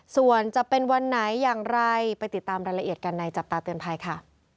ส่วนจะเป็นวันไหนอย่างไรไปติดตามรายละเอียดกันในจับตาเตือนภัยค่ะ